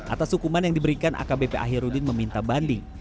atas hukuman yang diberikan akbp akhirudin meminta banding